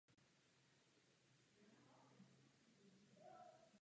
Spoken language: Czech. Rozpětí jednotlivých kapitol je velmi malé.